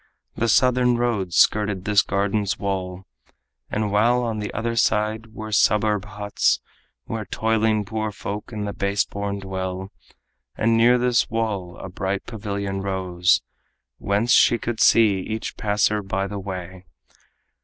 The southern road skirted this garden's wall, While on the other side were suburb huts Where toiling poor folk and the base born dwell. And near this wall a bright pavilion rose, Whence she could see each passer by the way.